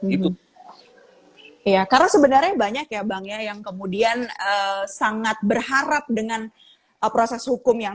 gitu ya karena sebenarnya banyak ya bang ya yang kemudian sangat berharap dengan proses hukum yang